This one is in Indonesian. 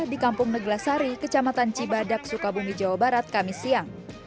di kampung neglasari kecamatan cibadak sukabumi jawa barat kamis siang